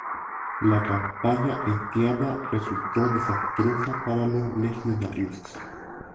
La campaña haitiana resultó desastrosa para los legionarios.